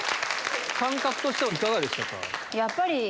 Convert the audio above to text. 感覚としてはいかがでしたか？